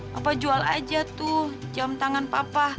papa jual aja tuh jam tangan papa